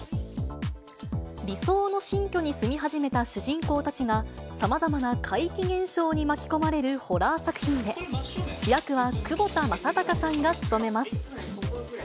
理想の新居に住み始めた主人公たちが、さまざまな怪奇現象に巻き込まれるホラー作品で、主役は窪田正孝さんが務めます。